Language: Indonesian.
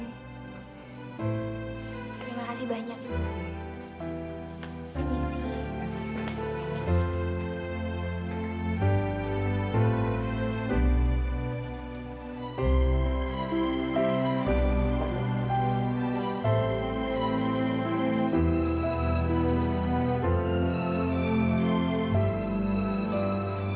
terima kasih banyak ibu